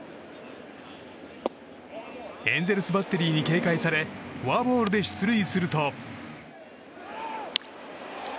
エンゼルスバッテリーに警戒されフォアボールで出塁すると。